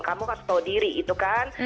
kamu harus tahu diri itu kan